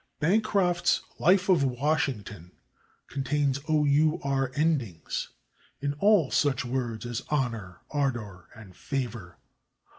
Bancroft's "Life of Washington" contains / our/ endings in all such words as /honor/, /ardor/ and /favor